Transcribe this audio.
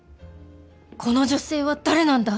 「この女性」は誰なんだ